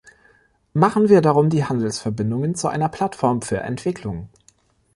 Machen wir darum die Handelsverbindungen zu einer Plattform für Entwicklung.